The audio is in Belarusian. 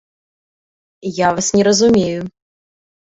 Я вас не разумею.